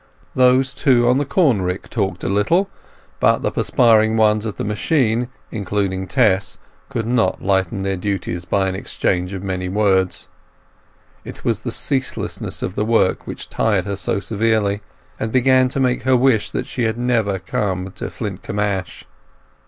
Those, too, on the corn rick talked a little; but the perspiring ones at the machine, including Tess, could not lighten their duties by the exchange of many words. It was the ceaselessness of the work which tried her so severely, and began to make her wish that she had never come to Flintcomb Ash.